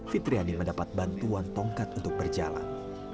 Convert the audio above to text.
fitriani mendapat bantuan tongkat untuk berjalan